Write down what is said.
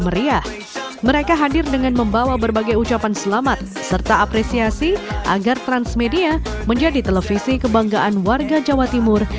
mereka hadir dengan membawa berbagai ucapan selamat serta apresiasi agar transmedia menjadi televisi kebanggaan warga jawa timur